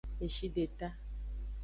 Eshideta.